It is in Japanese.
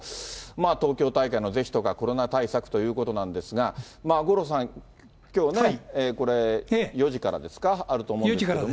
東京大会の是非とかコロナ対策ということなんですが、五郎さん、きょうね、４時からですか、あると思うんですけれども。